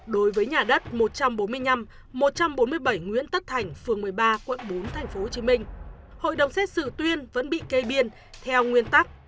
đối với nhà đất một trăm bốn mươi năm một trăm bốn mươi bảy nguyễn tất thành phường một mươi ba quận bốn tp hcm hội đồng xét xử tuyên vẫn bị kê biên theo nguyên tắc